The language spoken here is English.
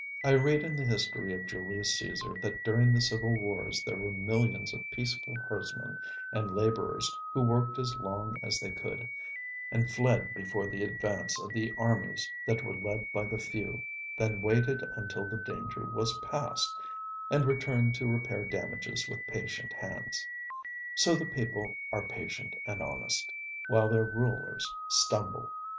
I read in the history of Julius C├"sar that during the civil wars there were millions of peaceful herdsmen and laborers who worked as long as they could, and fled before the advance of the armies that were led by the few, then waited until the danger was past, and returned to repair damages with patient hands. So the people are patient and honest, while their rulers stumble.